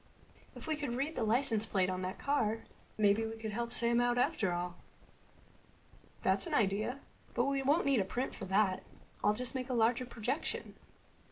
"If we could read the license plate on that car maybe we could help Sam out after all." "That's an idea. But we won't need a print for that. I'll just make a larger projection."